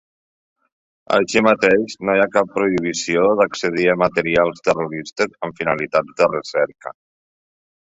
Així mateix, no hi ha cap "prohibició" d'accedir a materials terroristes amb finalitats de recerca.